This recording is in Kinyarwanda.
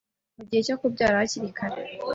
mu gihe cyo kubyara hakiri kare